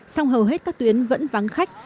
song hầu hết các tuyến vẫn vắng khách